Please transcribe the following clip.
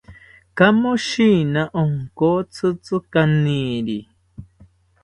Kamoshina onkotzitzi kaniri